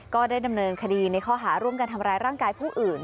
ก็ได้ดำเนินคดีในข้อหาร่วมกันทำร้ายร่างกายผู้อื่น